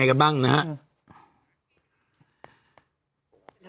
เขามีความเห็นกันยังไงกันบ้างนะฮะ